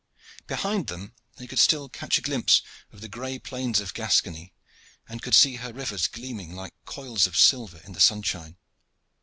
Behind them they could still catch a glimpse of the gray plains of Gascony, and could see her rivers gleaming like coils of silver in the sunshine.